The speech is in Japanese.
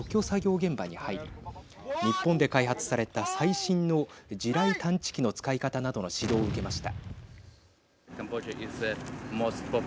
現場に入り日本で開発された最新の地雷探知機の使い方などの指導を受けました。